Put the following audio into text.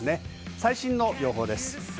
最新の予報です。